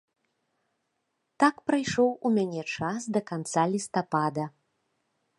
Так прайшоў у мяне час да канца лістапада.